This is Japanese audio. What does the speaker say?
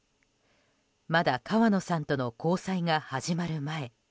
まだ川野さんとの交際が始まる前。